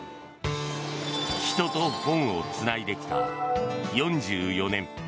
人と本をつないできた４４年。